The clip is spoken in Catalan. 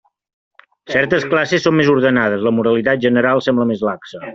Certes classes són més ordenades; la moralitat general sembla més laxa.